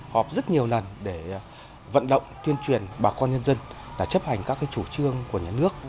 họp rất nhiều lần để vận động tuyên truyền bà con nhân dân là chấp hành các chủ trương của nhà nước